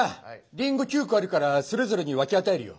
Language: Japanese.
リンゴ９個あるからそれぞれに分け与えるよ。